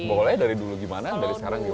pokoknya dari dulu gimana dari sekarang gimana